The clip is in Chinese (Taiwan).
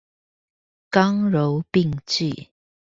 剛柔並濟